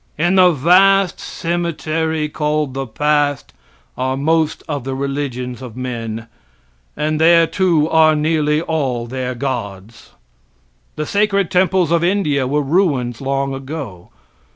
In the vast cemetery, called the past, are most of the religions of men and there, too, are nearly all their gods. The sacred temples of India were ruins long ago.